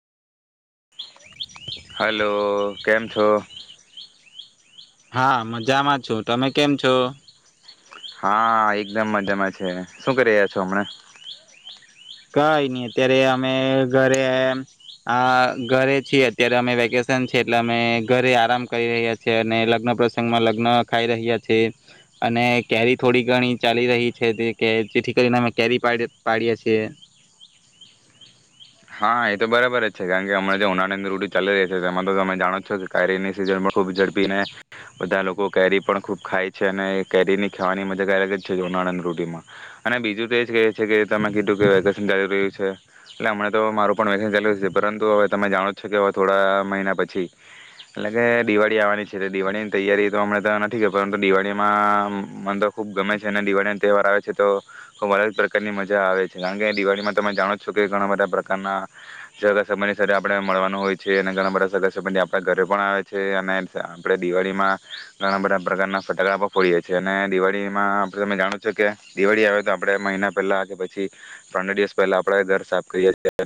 Hello કેમ છો? હા મજામાં છું. તમે કેમ છો? હા એકદમ મજામાં છે. શું કરી રહ્યા છો હમણા? કઈ નહી અત્યારે અમે ઘરે આ ઘરે છી અત્યારે અમે વેકેશન છએ એટલે અમે ઘરે આરામ કરી રહ્યા છીએ અને લગ્ન પ્રસંગ માં લગ્ન ખાઈ રહ્યા છીએ અને કેરી થોડી ઘણી ચાલી રહી છે તે કે જેથી કરીને અમે કેરી પાડ પાડીએ છીએ. હા એ તો બરાબર જ છે. કારણ કે હમણાં જે ઉનાનંદ ની ૠતુ ચાલી રહી છે તેમાં તો તમે જાણો છો કે કેરીની સીઝનમાં ખૂબ ઝડપી ને બધા લોકો કેરી પણ ખૂબ ખાય છે ને એ કેરીની ખાવાની મજા કય અલગ જ છે ઉનાયા ન ઋટીમાં. અને બીજું તો એ જ કહે છે કે તમે કીધું કે વેકેશન ચાલી રહ્યું છે એટલે હમણા તો મારું પણ વેકેશન ચાલુ છે પરંતુ હવે તમે જાણો જ છો કે હવે થોડા મહિના પછી એટલે કે દિવાળી આવવાની છે દિવાળીની તૈયારી તો હમણા નથી કરી પરંતુ દિવાળીમાં મને તો ખૂબ ગમે છે અને દિવાળીને તહેવાર આવે છે તો ખૂબ અલગ પ્રકારની મજા આવે છે. કારણ કે દિવાળીમાં તમે જાણો છો કે ઘણા બધા પ્ર કાર નાં [unintelligible] સંબંધી આપણે મળવાનું હોય છે અને ઘણા બધા સગા સંબંધી આપડા ઘરે પણ આવે છે અને આપણે દિવાળીમાં ઘણા બધા પ્રકારના ફટાકાડા પણ ફોડીએ છીએ અને દિવાળીમાં આપ તમે જાણો છો કે દિવાળી આવે તો આપણેે મહિના પહેલા કે પછી પંદર દિવસ પહેલા આપડે ઘર સાફ કરીએ. છીએ.